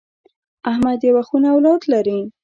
احمد یوه خونه اولاد لري.